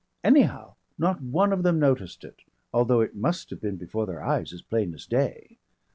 Anyhow not one of them noticed it, although it must have been before their eyes as plain as day.